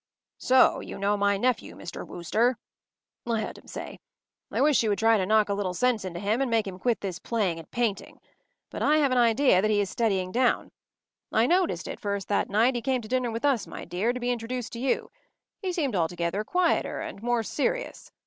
“So you know my nephew, Mr. Wooster,” I heard him say. “I wish you would try to knock a little sense into him and make him quit this playing at painting. But I have an idea that he is steadying down. I noticed it first that night he came to dinner with us, my dear, to be introduced to you. He seemed altogether quieter and more serious.